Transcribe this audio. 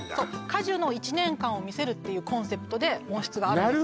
果樹の１年間を見せるっていうコンセプトで温室があるんですよ